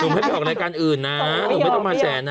หนุ่มให้ตอบรายการอื่นนะหนุ่มไม่ต้องมาแฉนนะ